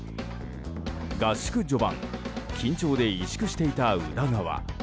合宿序盤緊張で萎縮していた宇田川。